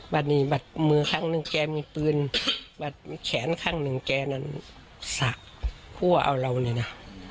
นี้บัดมือครั้งหนึ่งแกมีปืนบัดแขนข้างหนึ่งแกนั้นสระคั่วเอาเราเลยนะ